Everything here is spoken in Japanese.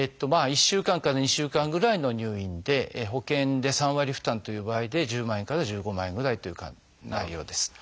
１週間から２週間ぐらいの入院で保険で３割負担という場合で１０万円から１５万円ぐらいという内容です。